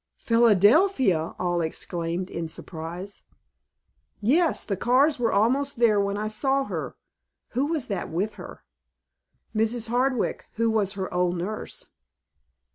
"Philadelphia!" all exclaimed, in surprise. "Yes, the cars were almost there when I saw her. Who was that with her?" "Mrs. Hardwick, who was her old nurse."